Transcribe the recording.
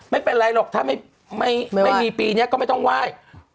ไม่เป็นไรหรอกถ้าไม่มีปีนี้ก็ไม่ต้องไหว้